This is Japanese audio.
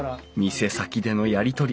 店先でのやり取り。